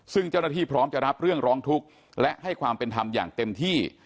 ซึ่งเจ้าหน้าที่พร้อมจะรับเรื่องร้องทุกข์และให้ความเป็นธรรมอย่างเต็มที่